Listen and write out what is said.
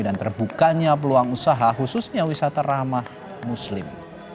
dan terbukanya peluang usaha khususnya wisata rahmah muslim